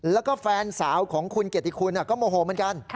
แล้วก็แฟนสาวของคุณเกียรติคุณก็โมโหเหมือนกัน